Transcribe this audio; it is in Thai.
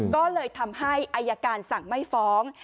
ก็เลยทำให้อายการสั่งไม่ฟ้อง